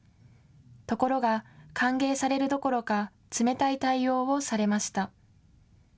ところが歓迎されるどころか冷たい対応をされました。